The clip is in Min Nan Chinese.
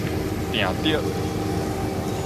定著